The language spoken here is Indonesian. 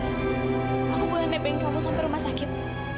aku boleh nebeng kamu sampai rumah sakit